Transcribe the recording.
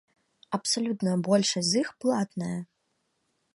Абсалютная большасць з іх платная.